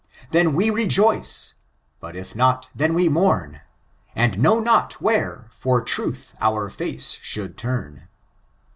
Then we rejoice ; but if not, then we mourn, And know not where for truth our face should turn.